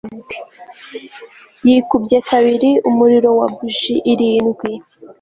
Yikubye kabiri umuriro wa buji irindwi